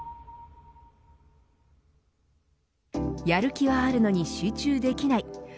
やる気はあるのに集中できない